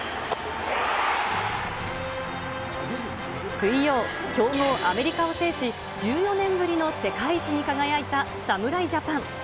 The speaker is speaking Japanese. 水曜、強豪アメリカを制し、１４年ぶりの世界一に輝いた侍ジャパン。